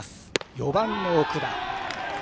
４番の奥田。